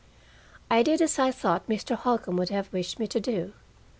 I did as I thought Mr. Holcombe would have wished me to do.